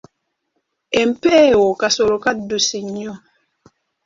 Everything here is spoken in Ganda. Empeewo kasolo kaddusi nnyo.